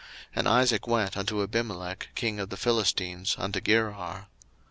And Isaac went unto Abimelech king of the Philistines unto Gerar.